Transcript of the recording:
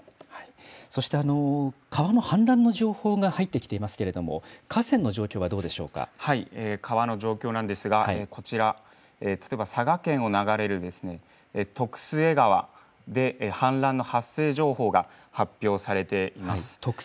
そして、川の氾濫の情報が入ってきていますけれども、河川の川の状況なんですが、こちら、例えば、佐賀県を流れる徳須恵川で氾濫の発生情報が発表されています。